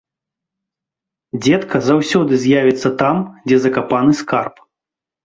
Дзедка заўсёды з'явіцца там, дзе закапаны скарб.